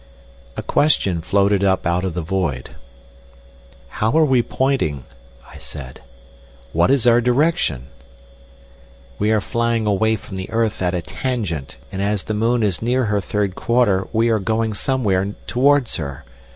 A question floated up out of the void. "How are we pointing?" I said. "What is our direction?" "We are flying away from the earth at a tangent, and as the moon is near her third quarter we are going somewhere towards her.